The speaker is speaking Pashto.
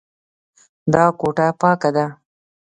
دا کوټه پاکه ده.